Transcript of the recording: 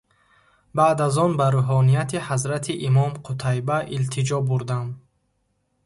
Баъд аз он ба рӯҳонияти ҳазрати имом Қутайба илтиҷо бурдам.